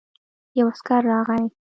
يو عسکر راغی.